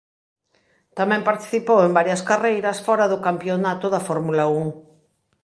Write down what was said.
Tamén participou en varias carreiras fóra do campionato da Fórmula Un.